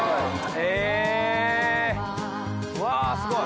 へぇうわすごい。